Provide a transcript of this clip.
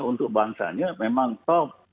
dan juga bangsa bangsa nya memang top